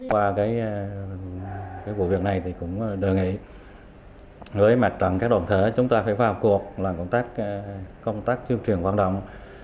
qua cái vụ việc này thì cũng đề nghị với mặt trận các đoàn thể chúng ta phải vào cuộc làm công tác công tác chương truyền vận động